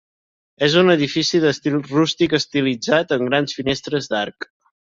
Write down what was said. És un edifici d'estil rústic estilitzat amb grans finestres d'arc.